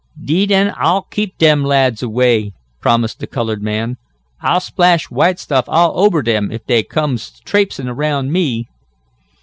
"Deed an' Ah'll keep dem lads away," promised the colored man. "Ah'll splash white stuff all ober 'em, if dey comes traipsin' around me."